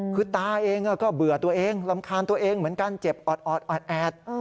คือตาเองก็เบื่อตัวเองรำคาญตัวเองเหมือนกันเจ็บออดแอด